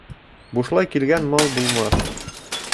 Бушлай килгән мал булмаҫ.